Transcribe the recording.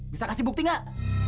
bisa kasih bukti gak